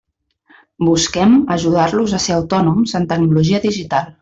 Busquem ajudar-los a ser autònoms en tecnologia digital.